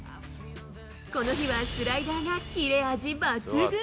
この日はスライダーがキレ味抜群。